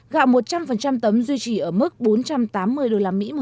gạo một trăm linh tấm duy trì ở mức bốn trăm tám mươi usd